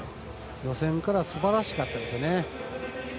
予選からすばらしかったですよね。